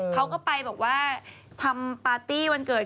เขาก็ไปบอกว่าทำปาร์ตี้วันเกิด